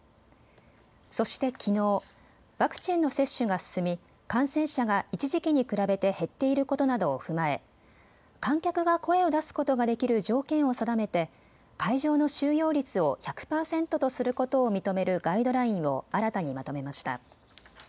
そしてきのう、ワクチンの接種が進み感染者が一時期に比べて減っていることなどを踏まえ観客が声を出すことができる条件を定めて会場の収容率を１００％とすることを認めるガイドラインを新たにまとめました。